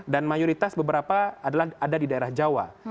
dan mayoritas beberapa adalah ada di daerah jawa